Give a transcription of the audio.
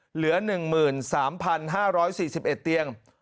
เหลือ๑๓๕๔๑เตียง